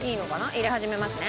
入れ始めますね。